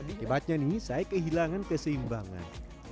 akibatnya nih saya kehilangan keseimbangan